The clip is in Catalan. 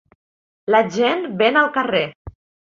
La gent ven al carrer.